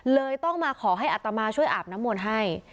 เลยต้องมาขอให้อัตมาช่วยอาบน้ำมนต์ให้